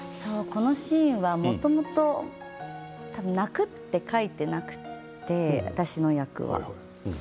このシーンはもともと泣くと書いていなくて私の役は。